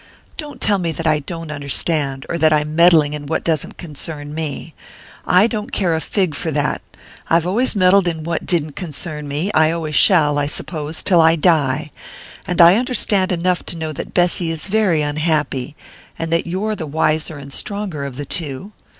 Don't tell me that I don't understand or that I'm meddling in what doesn't concern me. I don't care a fig for that! I've always meddled in what didn't concern me I always shall, I suppose, till I die! And I understand enough to know that Bessy is very unhappy and that you're the wiser and stronger of the two.